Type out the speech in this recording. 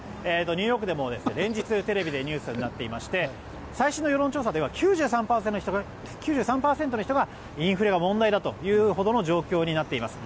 ニューヨークでも連日テレビでニュースになっていまして最新の世論調査では９３％の人がインフレが問題だというほどの状況になっています。